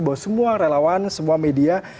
bahwa semua relawan semua media